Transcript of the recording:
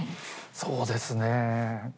そうですね。